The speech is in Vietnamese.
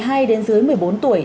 hay đến dưới một mươi bốn tuổi